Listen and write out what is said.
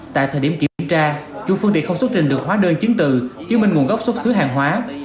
tại thời điểm kiểm tra chủ phương tiện không xuất trình được hóa đơn chứng từ chứng minh nguồn gốc xuất xứ hàng hóa